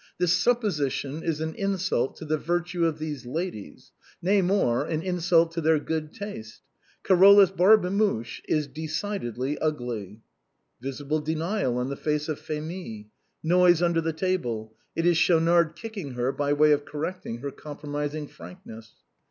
This supposition is an insult to the virtue of these ladies — nay more, an insult to their good taste. Carolus Barbemuche is decidedly ugly." [Visible denial on the face of Phémie; noise under the table; it is Schaunard Tciching her by way of correcting her compromising franlcness.